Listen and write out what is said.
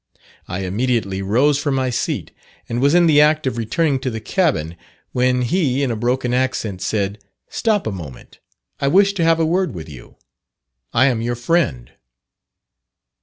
I immediately rose from my seat, and was in the act of returning to the cabin, when he in a broken accent said, 'Stop a moment; I wish to have a word with you. I am your friend.'